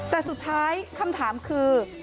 แต่สุดท้ายคำถามคือ